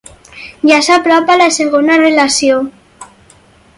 Ja s’apropa la segona relació.